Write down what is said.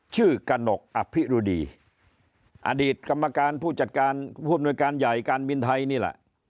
กระหนกอภิรุดีอดีตกรรมการผู้จัดการผู้อำนวยการใหญ่การบินไทยนี่แหละ